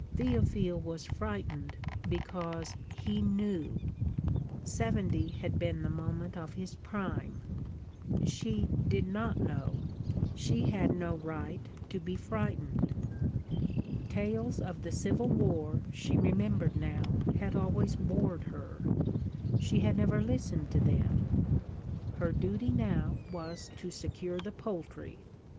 Théophile was frightened because he knew: '70 had been the moment of his prime. She did not know; she had no right to be frightened. Tales of the Civil War, she remembered now, had always bored her; she had never listened to them. Her duty now was to secure the poultry.